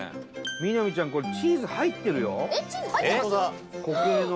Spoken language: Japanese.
みなみちゃん、これチーズ入ってるよ、固形の。